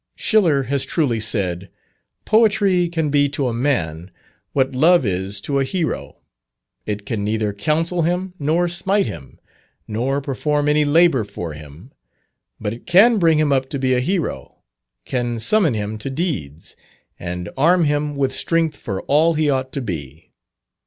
Schiller has truly said, "Poetry can be to a man, what love is to a hero. It can neither counsel him nor smite him, nor perform any labour for him, but it can bring him up to be a hero, can summon him to deeds, and arm him with strength for all he ought to be."